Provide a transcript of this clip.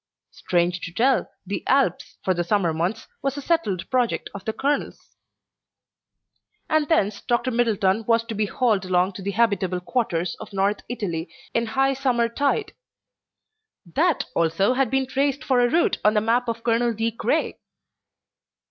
Strange to tell, the Alps, for the Summer months, was a settled project of the colonel's. And thence Dr. Middleton was to be hauled along to the habitable quarters of North Italy in high Summer tide. That also had been traced for a route on the map of Colonel De Craye.